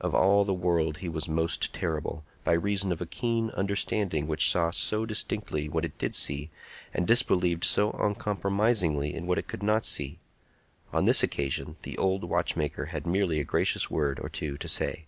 Of all the world he was most terrible, by reason of a keen understanding which saw so distinctly what it did see, and disbelieved so uncompromisingly in what it could not see. On this occasion the old watchmaker had merely a gracious word or two to say.